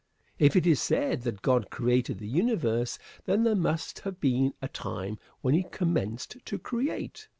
If it is said that God created the universe, then there must have been a time when he commenced to create.